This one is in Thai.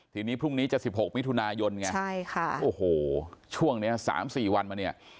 ทีนี้พรุ่งนี้จะสิบหกมิถุนายนไงใช่ค่ะโอ้โหช่วงเนี้ยสามสี่วันมาเนี้ย